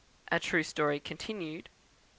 A True Story continued; 6.